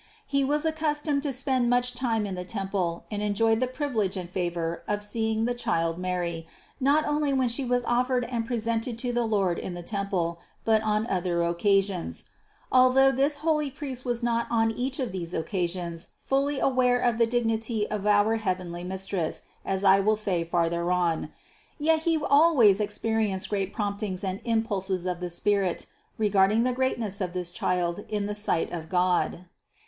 He was accustomed to spend much time in the temple and enjoyed the privi lege and favor of seeing the child Mary, not only when She was offered and presented to the Lord in the temple, but on other occasions. Although this holy priest was not on each of these occasions fully aware of the dig nity of our heavenly Mistress, as I will say farther on (No. 423, 710, 742), yet he always experienced great promptings and impulses of the spirit regarding the greatness of this Child in the sight of God.